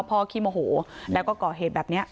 ขี้โมโหแล้วก็ก่อเหตุแบบนี้